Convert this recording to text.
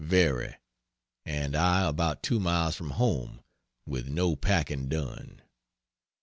Very! and I about two miles from home, with no packing done.